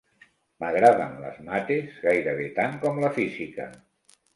M'agraden les mates gairebé tant com la física